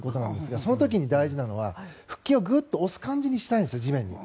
その時に大事なのは腹筋をグッと押す感じにしたいんです地面に。